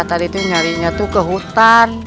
tadi itu nyarinya tuh ke hutan